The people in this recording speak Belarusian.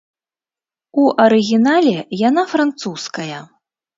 У арыгінале яна французская.